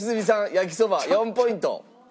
焼きそば４ポイント。